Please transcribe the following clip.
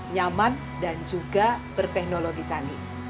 nyaman dan juga berteknologi canggih